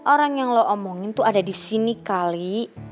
orang yang lo omongin tuh ada di sini kali